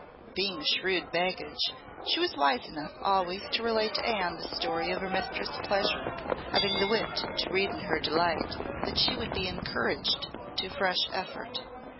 Being a shrewd baggage, she was wise enough always to relate to Anne the story of her mistress's pleasure, having the wit to read in her delight that she would be encouraged to fresh effort.